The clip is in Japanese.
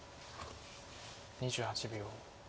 ２８秒。